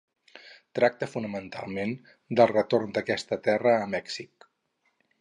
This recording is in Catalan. Tracta fonamentalment del retorn d'aquesta terra a Mèxic.